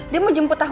dia mau jemput